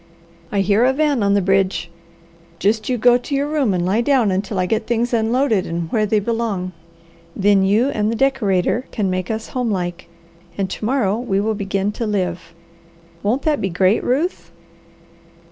I hear a van on the bridge. Just you go to your room and lie down until I get things unloaded and where they belong. Then you and the decorator can make us home like, and to morrow we will begin to live. Won't that be great, Ruth?"